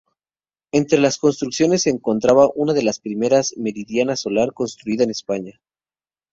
Entre las construcciones se encontraba una de las primeras meridiana solar construida en España.